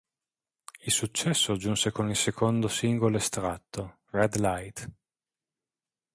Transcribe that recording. Il successo giunse con il secondo singolo estratto, "Red Light".